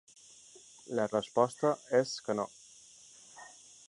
La resposta és que no.